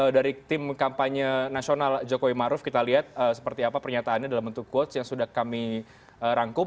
dari tim kampanye nasional jokowi maruf kita lihat seperti apa pernyataannya dalam bentuk quotes yang sudah kami rangkum